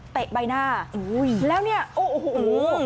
ใบหน้าแล้วเนี่ยโอ้โห